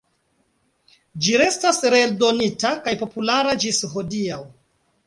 Ĝi restas reeldonita kaj populara ĝis hodiaŭ.